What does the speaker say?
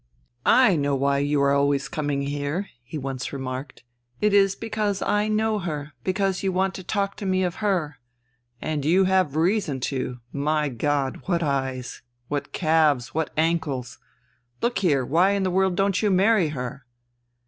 " I know why you are always coming here," he once remarked. " It is because I know her, because you want to talk to me of her. ... And you have reason to. My God! what eyes! What calves ! What ankles ! Look here : why in the world don't you marry her